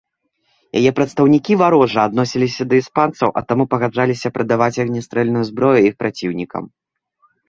Яе прадстаўнікі варожа адносіліся да іспанцаў, а таму пагаджаліся прадаваць агнястрэльную зброю іх праціўнікам.